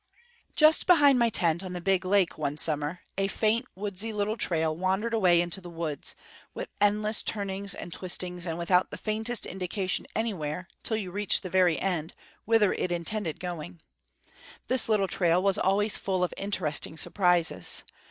Just behind my tent on the big lake, one summer, a faint, woodsy little trail wandered away into the woods, with endless turnings and twistings, and without the faintest indication anywhere, till you reached the very end, whither it intended going. This little trail was always full of interesting surprises.